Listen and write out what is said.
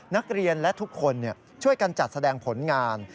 นักเรียนและทุกคนช่วยกันจัดแสดงผลงาน